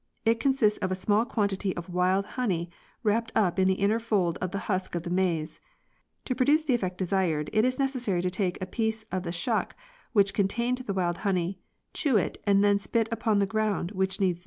It consists of a small quantity of wild honey wrapped up in the inner fold of the husk of the maize. To produce the effect desired it is necessary to take a piece of the shuck which contained the wild honey, chew it and spit it upon the ground which needs the rain.